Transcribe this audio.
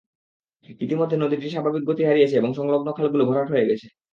ইতিমধ্যে নদীটি স্বাভাবিক গতি হারিয়েছে এবং সংলগ্ন খালগুলো ভরাট হয়ে গেছে।